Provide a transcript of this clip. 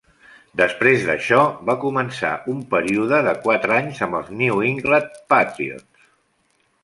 Després d'això, va començar un període de quatre anys amb els New England Patriots.